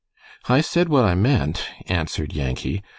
"I said what I meant," answered Yankee.